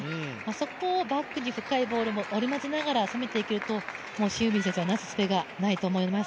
そこをバックに深いボールも織り交ぜながら攻めていけるとシン・ユビン選手はなすすべがないと思います。